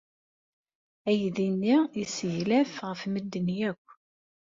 Aydi-nni yesseglaf ɣef medden akk.